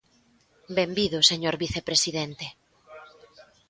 Benvido, señor vicepresidente.